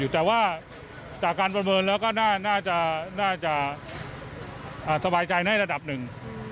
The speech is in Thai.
แต่ว่าจากการประเมินแล้วก็น่าจะสบายใจในระดับหนึ่ง